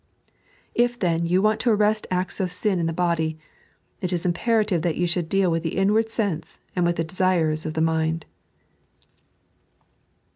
If then you want to arrest acta of sin in the body, it is imperative that you shotdd deal with the inward sense and with the desires of the mind.